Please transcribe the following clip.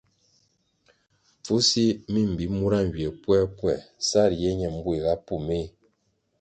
Pfusi mi mbi mura nywie puerpuer sa riye ñe mbuéhga pú méh.